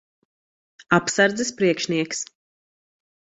Apsardzes priekšnieks.